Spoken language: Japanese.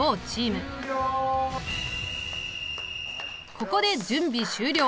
ここで準備終了。